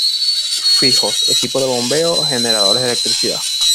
Fijos: Equipos de bombeo, generadores de electricidad.